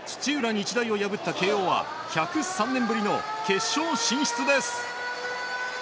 日大を破った慶應は１０３年ぶりの決勝進出です。